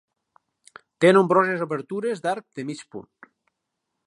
Té nombroses obertures d'arc de mig punt.